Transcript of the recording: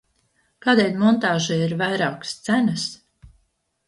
Kādēļ montāžai ir vairākas cenas?